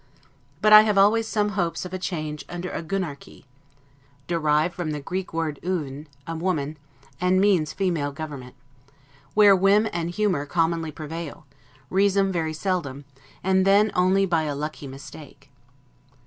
But I have always some hopes of a change under a 'Gunarchy' [Derived from the Greek word 'Iuvn' a woman, and means female government] where whim and humor commonly prevail, reason very seldom, and then only by a lucky mistake.